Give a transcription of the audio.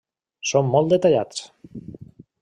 Són molt detallats.